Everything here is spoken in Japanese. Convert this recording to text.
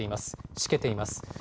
しけています。